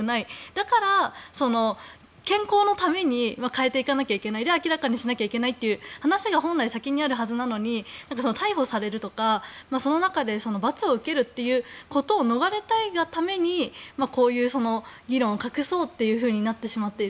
だから健康のために変えていかなきゃいけない明らかにしなきゃいけないという話が本来先にあるはずなのに逮捕されるとかその中で罰を受けることを逃れたいがためにこういう、議論を隠そうというふうになってしまっている。